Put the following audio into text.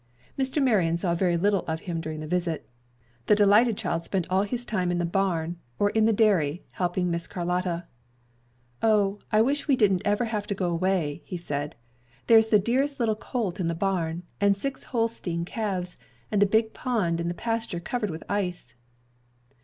Mr. Marion saw very little of him during the visit. The delighted child spent all his time in the barn, or in the dairy, helping Miss Carlotta. "O, I wish we didn't ever have to go away," he said. "There's the dearest little colt in the barn, and six Holstein calves, and a big pond in the pasture covered with ice!"